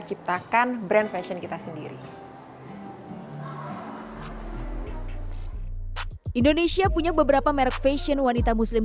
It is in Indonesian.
ciptakan brand fashion kita sendiri indonesia punya beberapa merek fashion wanita muslim